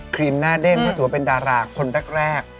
ครีมหน้าเด้งก็ถือว่าเป็นดาราคนแรก